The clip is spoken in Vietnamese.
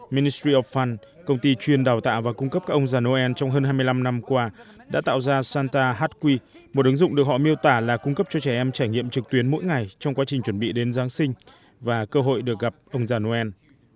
ministry of fun công ty chuyên đào tạo và cung cấp các ông già noel trong hơn hai mươi năm năm qua đã tạo ra santa hatq một ứng dụng được họ miêu tả là cung cấp cho trẻ em trải nghiệm trực tuyến mỗi ngày trong quá trình chuẩn bị đến giáng sinh và cơ hội được gặp ông già noel